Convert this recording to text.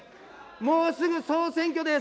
もうすぐ総選挙です。